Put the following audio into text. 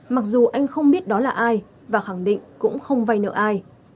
mặc dù anh không biết đó là ai và khẳng định cũng không vay nợ ai